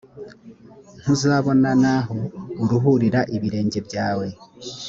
ntuzabona n’aho uruhurira ibirenge byawe;